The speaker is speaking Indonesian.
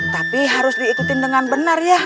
tapi harus diikutin dengan benar ya